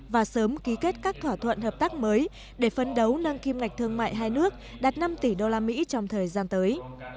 và sớm ký kết các thỏa thuận hợp tác mới để phân đấu nâng kim ngạch thương mại hai nước đạt năm tỷ usd trong thời gian tới